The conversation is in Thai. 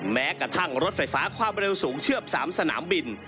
แม้กระทั่งรถไฟฟ้าความเร็วสูงเชื่อบ๓สนามบิน